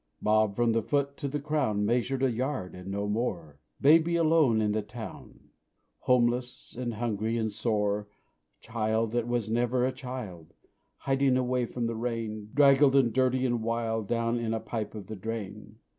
Bob from the foot to the crown Measured a yard, and no more Baby alone in the town, Homeless, and hungry, and sore Child that was never a child, Hiding away from the rain, Draggled and dirty and wild, Down in a pipe of the drain.